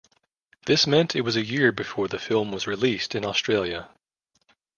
This meant it was a year before the film was released in Australia.